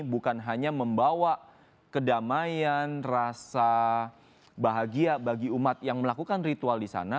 bukan hanya membawa kedamaian rasa bahagia bagi umat yang melakukan ritual di sana